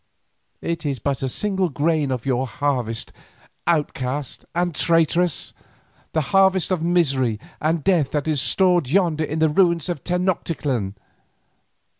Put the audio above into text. It is but a single grain of your harvest, outcast and traitress, the harvest of misery and death that is stored yonder in the ruins of Tenoctitlan.